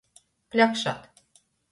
Pļakšēt.